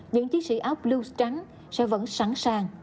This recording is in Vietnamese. những chiến sĩ ốc blue trắng sẽ vẫn sẵn sàng